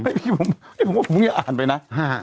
ไม่พี่บอกคุณว่าทำไมคุณอ่านไปนะ